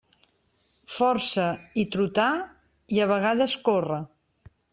Força i trotar, i a vegades córrer.